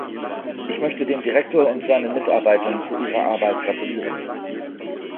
Ich möchte dem Direktor und seinen Mitarbeitern zu ihrer Arbeit gratulieren.